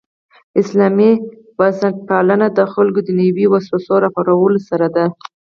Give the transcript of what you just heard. اسلامي بنسټپالنه د خلکو دنیوي وسوسو راپارولو سره ده.